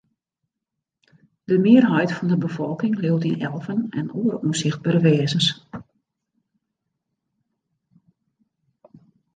De mearheid fan de befolking leaut yn elven en oare ûnsichtbere wêzens.